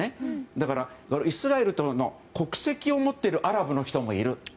だからイスラエルの国籍を持っているアラブの人もいる。